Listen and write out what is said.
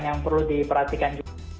yang perlu diperhatikan